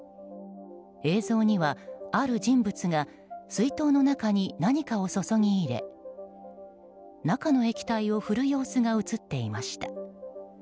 映像には、ある人物が水筒の中に何かを注ぎ入れ中の液体を振る様子が映っていました。